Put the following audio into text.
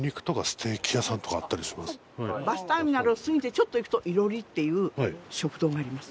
バスターミナルを過ぎてちょっと行くといろりっていう食堂があります。